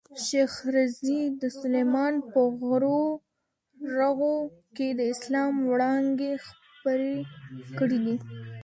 شېخ رضي د سلېمان په غرو رغو کښي د اسلام وړانګي خپرې کړي دي.